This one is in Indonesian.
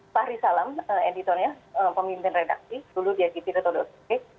pak risalam editornya pemimpin redaksi dulu di igt reto org